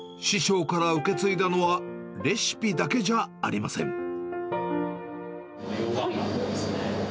師匠から受け継いだのは、レシピだけじゃありません。